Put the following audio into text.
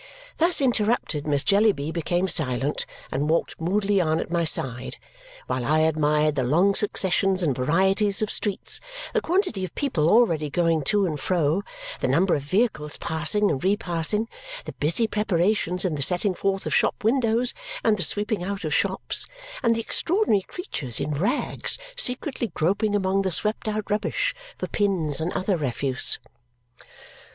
Thus interrupted, Miss Jellyby became silent and walked moodily on at my side while I admired the long successions and varieties of streets, the quantity of people already going to and fro, the number of vehicles passing and repassing, the busy preparations in the setting forth of shop windows and the sweeping out of shops, and the extraordinary creatures in rags secretly groping among the swept out rubbish for pins and other refuse.